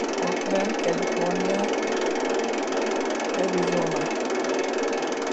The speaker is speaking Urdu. Oakland California Chandler Arizona